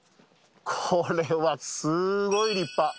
これは、すごい立派！